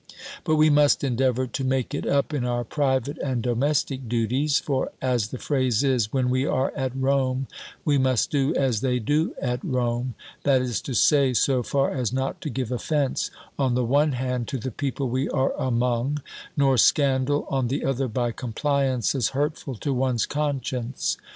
But we must endeavour to make it up in our private and domestic duties: for, as the phrase is "When we are at Rome, we must do as they do at Rome;" that is to say, so far as not to give offence, on the one hand, to the people we are among; nor scandal, on the other, by compliances hurtful to one's conscience.